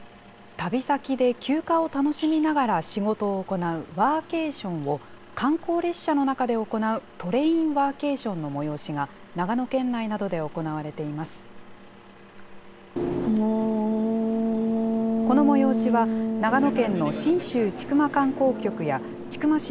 旅先で休暇を楽しみながら仕事を行うワーケーションを、観光列車の中で行うトレインワーケーションの催しが、長野県内などで行われています。